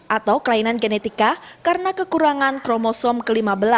atau kelainan genetika karena kekurangan kromosom ke lima belas